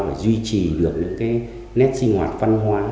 và duy trì được những cái nét sinh hoạt văn hóa